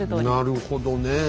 なるほどね。